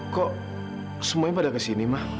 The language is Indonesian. kok semuanya pada ke sini ma